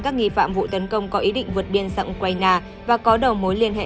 các nghi phạm vụ tấn công có ý định vượt biên sang ukraine và có đầu mối liên hệ